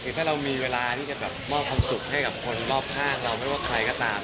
คือถ้าเรามีเวลาที่จะแบบมอบความสุขให้กับคนรอบข้างเราไม่ว่าใครก็ตาม